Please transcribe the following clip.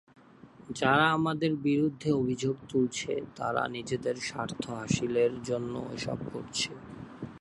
যারা আমাদের বিরুদ্ধে অভিযোগ তুলছে তারা নিজেদের স্বার্থ হাসিলের জন্য এসব করছে।